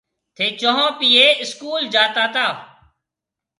ٿَي چونه پيي اسڪول جاتا تا۔